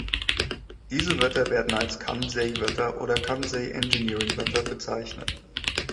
Diese Wörter werden als "Kansei-Wörter" oder "Kansei Engineering-Wörter" bezeichnet.